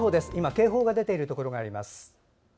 警報が出ているところがあります。